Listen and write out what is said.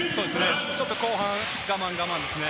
ちょっと後半、我慢我慢ですね。